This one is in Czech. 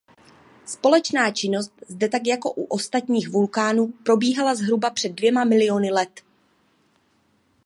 Sopečná činnost zde tak jako u ostatních vulkánů probíhala zhruba před dvěma miliony let.